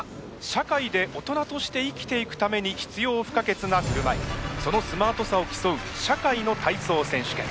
社会で大人として生きていくために必要不可欠なふるまいそのスマートさを競う社会の体操選手権。